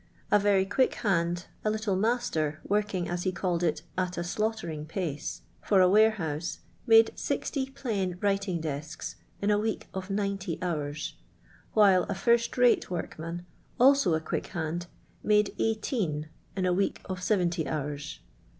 A very quick hand, a little master, work ing, as he called it, '' at a slaughtering pace," for a warehouse, mnde 60 plain writing desks in a week of 90 hours ; while a first rate workman, also a quick hand, made 18 in a week of 70 hours.